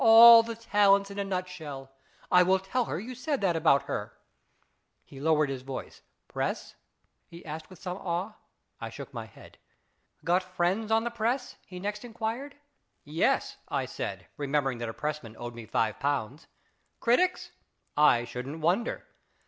All the talents in a nutshell ! I will tell her you said that about her." He lowered his voice. " Press ?" he asked with some awe. I shook my head. " Got friends on the press ?" he next inquired. " Yes," I said, remembering that a pressman owed me five pounds. "Critics?" " I shouldn't wonder."